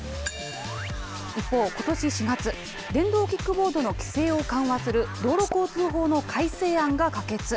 一方、ことし４月、電動キックボードの規制を緩和する道路交通法の改正案が可決。